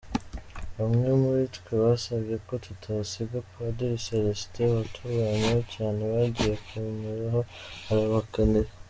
Bamwe muri twe basabye ko tutasiga Padiri Célestin waturwanyeho cyane, bagiye kumureba arabahakanira.